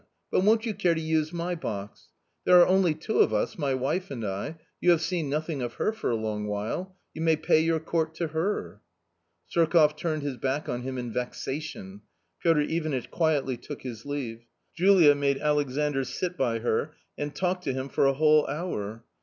But won't you care to use my box ? there are only two of us, my wife and I ; you have seen nothing of her for a long while ; you may pay your court to her." Surkoff turned his back on him in vexation. Piotr Ivanitch quietly took his leave. Julia made Alexandr sit by her and talked to him for a whole hour.